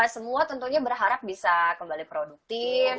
semua tentunya berharap bisa kembali produktif